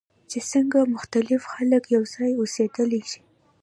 چې څنګه مختلف خلک یوځای اوسیدلی شي.